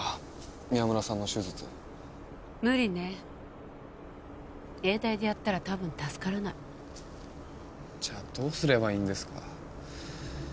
宮村さんの手術ムリね永大でやったら多分助からないじゃあどうすればいいんですか？